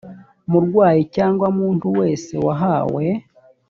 murwayi cyangwa umuntu wese wahawe